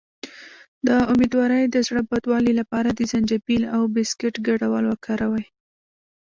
د امیدوارۍ د زړه بدوالي لپاره د زنجبیل او بسکټ ګډول وکاروئ